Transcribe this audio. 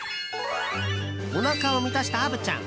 おなかを満たした虻ちゃん。